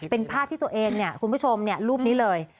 เป็นภาพที่ตัวเองเนี่ยคุณผู้ชมรูปนี้เลย